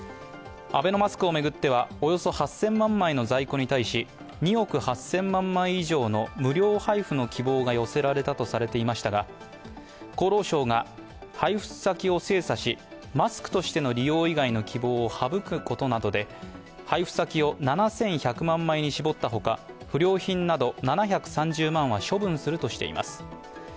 アベノマスクを巡ってはおよそ８０００万枚の在庫に対し２億８０００万枚以上の無料配布の希望が寄せられたとされていましたが厚労省が配布先を精査しマスクとしての利用以外の希望を省くことなどで配布先を７１００万枚に絞ったほか不良品など７３０万は処分するとしています。